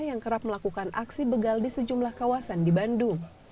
yang kerap melakukan aksi begal di sejumlah kawasan di bandung